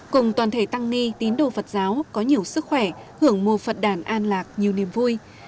cùng toàn thể tăng ni tín đồ phật giáo có nhiều sức khỏe hưởng mùa phật đàn an lạc nhiều niềm vui